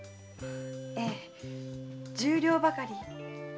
ええ十両ばかり。